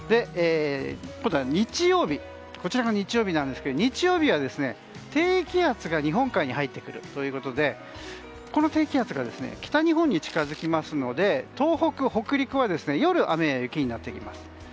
今度は日曜日なんですが日曜日は低気圧が日本海に入ってくるということで低気圧が北日本に近づきますので東北、北陸は夜、雨や雪になってきます。